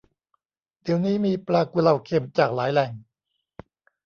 เดี๋ยวนี้มีปลากุเลาเค็มจากหลายแหล่ง